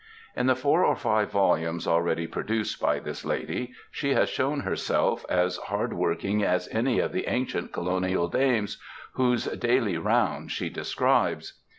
In the foiur or five volumes already produced by this lady, she has shown herself as hard working as any of the ancient colonial dames, whose ^* daily round ^ she describes.